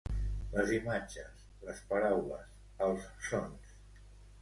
Les imatges, les paraules, els sons.